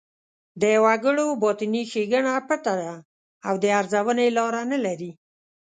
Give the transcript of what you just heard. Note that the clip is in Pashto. د وګړو باطني ښېګڼه پټه ده او د ارزونې لاره نه لري.